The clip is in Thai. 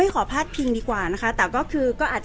แต่ว่าสามีด้วยคือเราอยู่บ้านเดิมแต่ว่าสามีด้วยคือเราอยู่บ้านเดิม